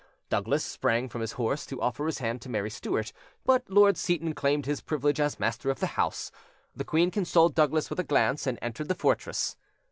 Douglas sprang from his horse to offer his hand to Mary Stuart; but Lord Seyton claimed his privilege as master of the house. The queen consoled Douglas with a glance, and entered the fortress.